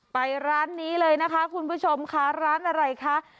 ไปร้านนี้เลยนะคะคุณผู้ชมค่ะร้านอะไรคะ